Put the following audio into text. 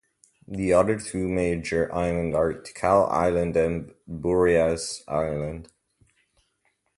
The other two major islands are Ticao Island and Burias Island.